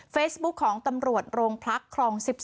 เฟซบุ๊คของตำรวจโรงพักครอง๑๒